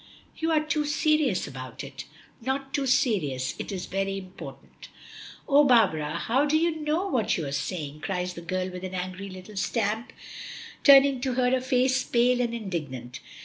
"You are too serious about it." "Not too serious. It is very important." "Oh, Barbara, do you know what you are saying?" cries the girl with an angry little stamp, turning to her a face pale and indignant.